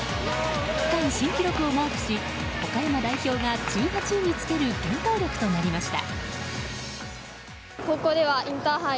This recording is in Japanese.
区間新記録をマークし岡山代表が１８位につける原動力となりました。